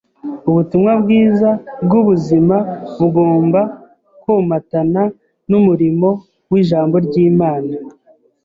Ubutumwa bwiza bw’ubuzima bugomba komatana n’umurimo w’Ijambo ry’Imana